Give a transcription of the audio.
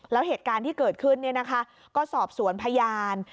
แล้วเหตุการณ์ที่เกิดขึ้นก็สอบสวนพยาน